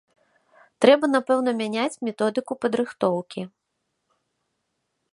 Трэба, напэўна, мяняць методыку падрыхтоўкі.